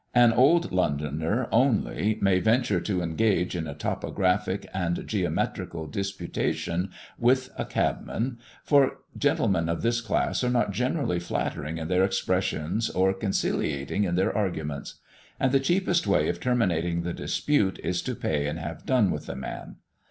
An old Londoner only may venture to engage in a topographic and geometrical disputation with a cabman, for gentlemen of this class are not generally flattering in their expressions or conciliating in their arguments; and the cheapest way of terminating the dispute is to pay and have done with the man.